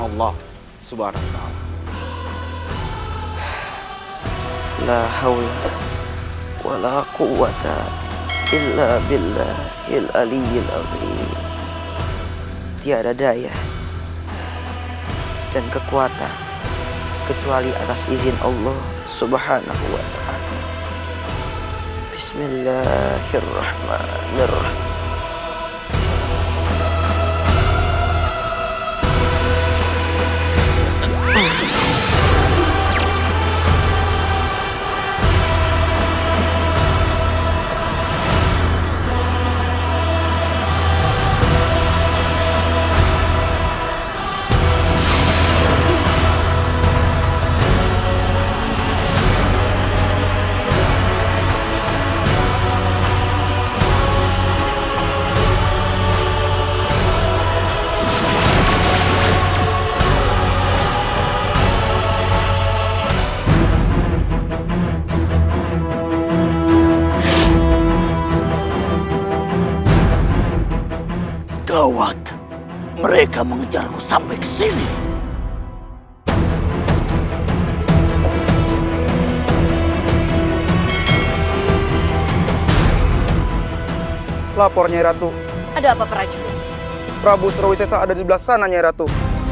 lapornya ratu ada apa prajurit prabu serowisessa ada di belakangnya ratu